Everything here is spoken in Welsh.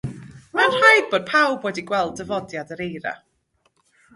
Mae'n rhaid bod pawb wedi gweld dyfodiad yr eira.